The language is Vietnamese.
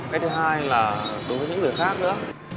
cái thứ hai là đối với những người khác nữa